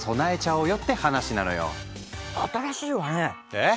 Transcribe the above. えっ？